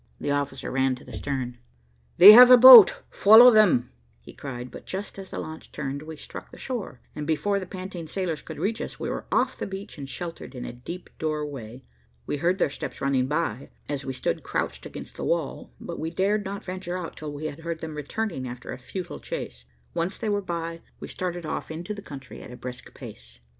The officer ran to the stern. "They have the boat, follow them," he cried, but just as the launch turned, we struck the shore, and before the panting sailors could reach us, were off the beach and sheltered in a deep doorway. We heard their steps running by, as we stood crouched against the wall, but we dared not venture out till we had heard them returning after a futile chase. Once they were by, we started off into the country at a brisk pace.